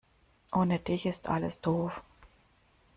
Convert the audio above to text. Ohne dich ist alles doof.